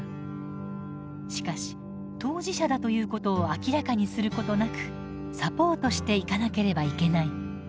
しかし当事者だということを明らかにすることなくサポートしていかなければいけない。